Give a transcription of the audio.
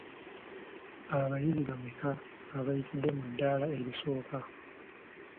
Abayizi bameka abaayitidde mu ddaala erisooka?